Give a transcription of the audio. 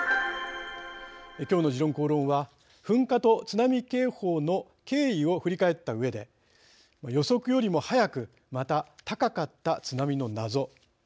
きょうの「時論公論」は噴火と津波警報の経緯を振り返ったうえで予測よりも早くまた、高かった津波の謎。